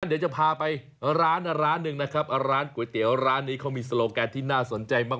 เดี๋ยวจะพาไปร้านร้านหนึ่งนะครับร้านก๋วยเตี๋ยวร้านนี้เขามีโลแกนที่น่าสนใจมาก